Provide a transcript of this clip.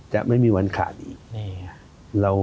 จะไม่มีวันขาดอีกแน่